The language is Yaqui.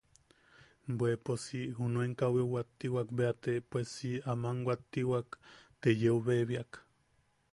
Bwe poos si... junuen kawiu wattiwak bea te pues si... aman wattiwaka, te yeu bebiaka.